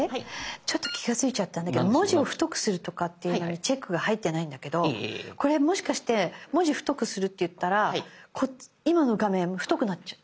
ちょっと気が付いちゃったんだけど「文字を太くする」にチェックが入ってないんだけどこれもしかして文字太くするっていったら今の画面太くなっちゃう？